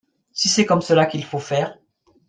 Si c’est comme cela qu’il faut faire